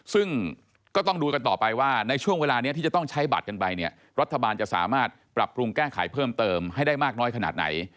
ซึ่งก็ต้องดูกันต่อไปว่าในช่วงเวลานี้ที่จะต้องใช้บัตรกันไปเนี่ยรัฐบาลจะสามารถปรับปรุงแก้ไขเพิ่มเติมให้ได้มากน้อยขนาดไหน